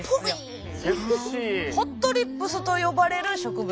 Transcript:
ホットリップスと呼ばれる植物でございます。